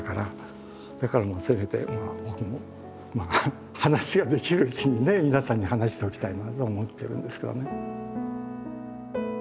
だからせめて僕もまあ話ができるうちにね皆さんに話しておきたいなとは思ってるんですけどね。